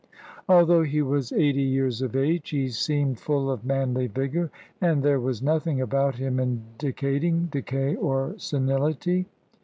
Although he was eighty 136 b LET MY PEOPLE GO years of age, he seemed full of manly vigor, and there was nothing about him indicating decay or senility.